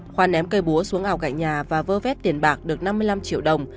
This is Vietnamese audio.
khoa ném cây búa xuống ảo cạnh nhà và vơ vét tiền bạc được năm mươi năm triệu đồng